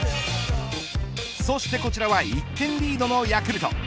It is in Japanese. そしてこちらは１点リードのヤクルト。